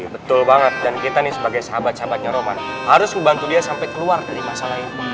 betul banget dan kita nih sebagai sahabat sahabatnya roman harus membantu dia sampai keluar dari masalah ini